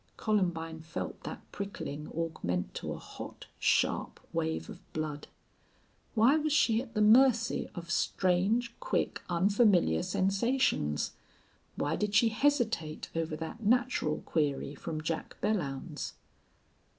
Columbine felt that prickling augment to a hot, sharp wave of blood. Why was she at the mercy of strange, quick, unfamiliar sensations? Why did she hesitate over that natural query from Jack Belllounds?